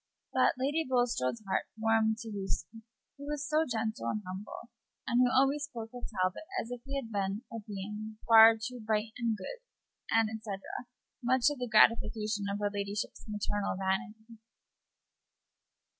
But Lady Bulstrode's heart warmed to Lucy, who was so gentle and humble, and who always spoke of Talbot as if he had been a being far "too bright and good," etc., much to the gratification of her ladyship's maternal vanity.